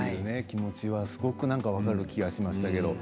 気持ちはすごく分かる気がしましたけど。